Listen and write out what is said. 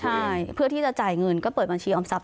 ใช่เพื่อที่จะจ่ายเงินก็เปิดบัญชีออมทรัพ